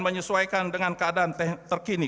menyesuaikan dengan keadaan terkini